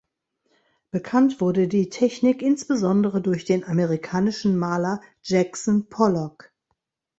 Bekannt wurde die Technik insbesondere durch den amerikanischen Maler Jackson Pollock.